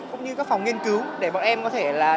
cũng như các phòng nghiên cứu để bọn em có thể là